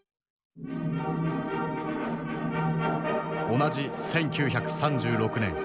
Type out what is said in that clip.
同じ１９３６年。